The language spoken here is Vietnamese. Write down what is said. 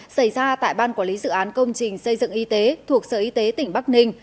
xảy ra tại ban quản lý dự án công trình xây dựng y tế thuộc sở y tế tỉnh bắc ninh